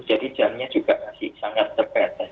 jadi jamnya juga masih sangat terbatas